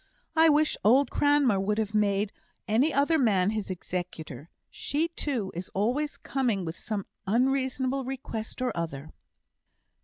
"I wish old Cranmer would have made any other man his executor. She, too, is always coming with some unreasonable request or other."